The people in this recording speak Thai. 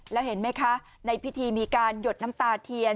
แล้วเห็นไหมคะในพิธีมีการหยดน้ำตาเทียน